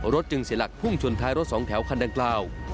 จึงเสียหลักพุ่งชนท้ายรถสองแถวคันดังกล่าว